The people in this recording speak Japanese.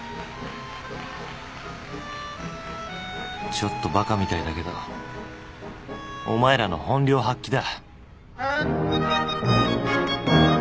ちょっとバカみたいだけどお前らの本領発揮だ